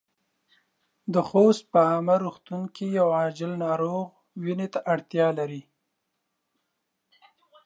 د خوست په عامه روغتون کې يو عاجل ناروغ وينې ته اړتیا لري.